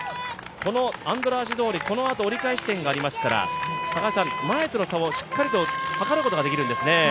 このアンドラーシ通り、このあと折り返し地点がありますから前との差もしっかりとはかることができるんですね。